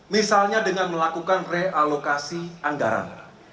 misalnya dengan melakukan realokasi anggaran